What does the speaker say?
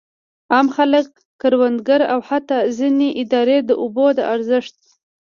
عام خلک، کروندګر او حتی ځینې ادارې د اوبو د ارزښت.